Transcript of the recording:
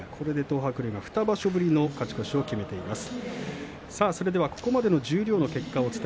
東白龍、２場所ぶりの勝ち越しを決めています。